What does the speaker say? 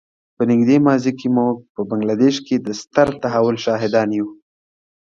په نږدې ماضي کې موږ په بنګله دېش کې د ستر تحول شاهدان یو.